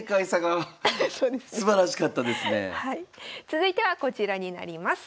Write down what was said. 続いてはこちらになります。